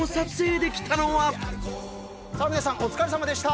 さあ皆さんお疲れさまでした！